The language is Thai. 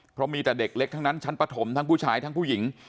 เพราะมีแต่เด็กเล็กทั้งนั้นชั้นปฐมทั้งผู้ชายทั้งผู้หญิง